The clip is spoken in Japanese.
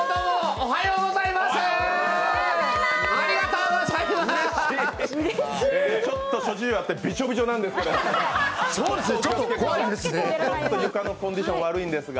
おはようございます。